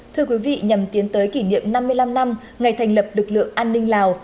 thưa quý vị nhằm tiến tới kỷ niệm năm mươi năm năm ngày thành lập lực lượng an ninh lào